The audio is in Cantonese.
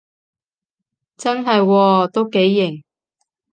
真係喎，都幾型